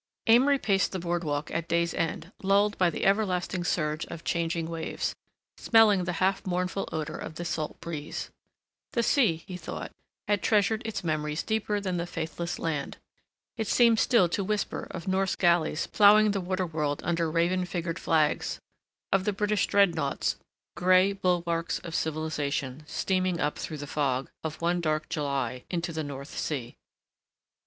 Amory paced the board walk at day's end, lulled by the everlasting surge of changing waves, smelling the half mournful odor of the salt breeze. The sea, he thought, had treasured its memories deeper than the faithless land. It seemed still to whisper of Norse galleys ploughing the water world under raven figured flags, of the British dreadnoughts, gray bulwarks of civilization steaming up through the fog of one dark July into the North Sea.